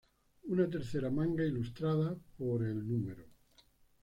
Una tercera manga, ilustrada por el No.